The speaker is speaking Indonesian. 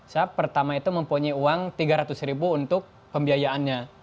saya pertama itu mempunyai uang tiga ratus ribu untuk pembiayaannya